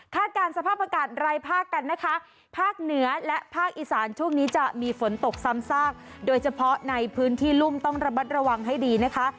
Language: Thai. การสภาพอากาศรายภาคกันนะคะภาคเหนือและภาคอีสานช่วงนี้จะมีฝนตกซ้ำซากโดยเฉพาะในพื้นที่รุ่มต้องระมัดระวังให้ดีนะคะ